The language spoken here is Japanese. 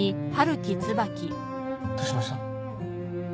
どうしました？